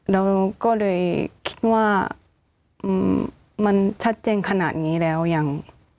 เราก็เลยคิดว่ามันชัดเจนขนาดนี้แล้วยัง